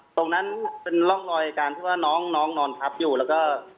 ตรงนั้นเป็นร่องรอยการที่ว่าน้องนอนทับอยู่แล้วก็